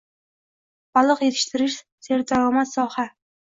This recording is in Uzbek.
Baliq yetishtirish serdaromad sohang